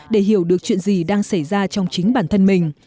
để hiểu được chuyện gì đang xảy ra trong chính bản thân mình